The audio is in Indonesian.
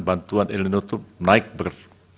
bantuan el nino itu naik bur